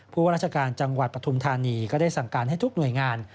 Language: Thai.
ว่าราชการจังหวัดปฐุมธานีก็ได้สั่งการให้ทุกหน่วยงาน